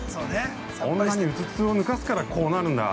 女にうつつを抜かすからこうなるんだ。